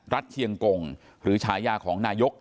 รัฐเชียงกรงศ์หรือฉายาของนายก